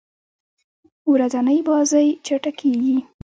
یو ورځنۍ بازۍ چټکي يي.